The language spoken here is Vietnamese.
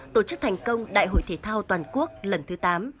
tổ chức thành công đại hội thể thao toàn quốc lần thứ tám